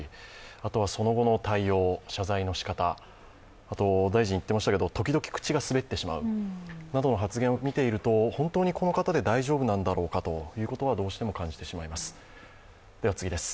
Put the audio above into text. あとはその後の対応、謝罪のしかたあと大臣言っていましたけれども、時々口が滑ってしまうなどの発言を見ていると本当にこの方で大丈夫なんだろうかということはどうしても感じてしまいます。